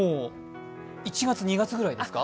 １月、２月ぐらいですか？